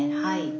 はい。